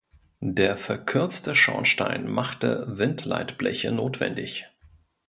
Der verkürzte Schornstein machte Windleitbleche notwendig.